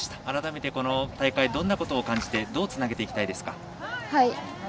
改めてこの大会どんなことを感じてどうつなげていきたいですか。